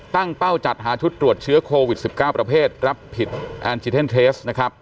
เป้าจัดหาชุดตรวจเชื้อโควิด๑๙ประเภทรับผิดแอนจิเทนเทสนะครับ